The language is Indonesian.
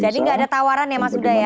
jadi gak ada tawaran ya mas udaya